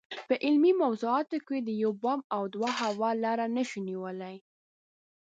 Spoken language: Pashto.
په علمي موضوعاتو کې د یو بام او دوه هوا لاره نشو نیولای.